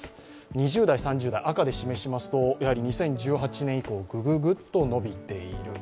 ２０代、３０代、赤で示しますと２０１８年以降ぐぐぐっと伸びている。